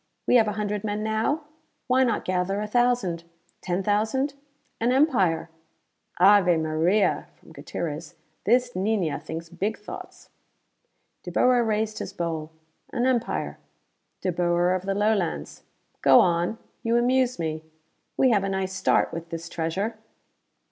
We have a hundred men now? Why not gather a thousand? Ten thousand? An empire!" "Ave Maria," from Gutierrez. "This niña thinks big thoughts!" De Boer raised his bowl. "An empire De Boer of the Lowlands! Go on; you amuse me. We have a nice start, with this treasure."